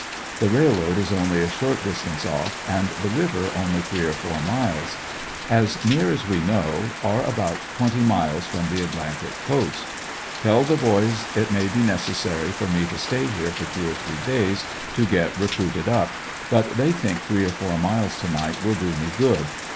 The railroad is only a short distance off, and the river only three or four miles. As near as we know, are about twenty miles from the Atlantic coast. Tell the bo3^s it may be necessary for me to stay here for two or three days to get recruited up, but they think three or four miles to night will do me good.